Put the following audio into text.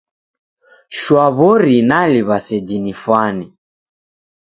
Shwa w'ori naliw'a seji nifwane.